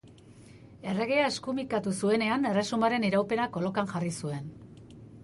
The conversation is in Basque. Erregea eskumikatu zuenean erresumaren iraupena kolokan jarri zuen.